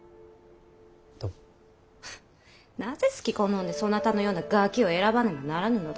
なぜすき好んでそなたのようなガキを選ばねばならぬのだ。